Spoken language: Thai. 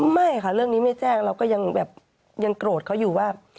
ไม่ค่ะเรื่องนี้ไม่แจ้งเราก็ยังแบบยังโกรธเขาอยู่ว่า